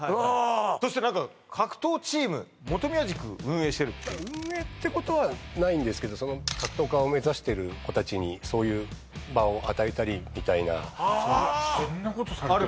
そして何か格闘チーム本宮塾運営してるっていう運営ってことはないんですけど格闘家を目指してる子達にそういう場を与えたりみたいなああ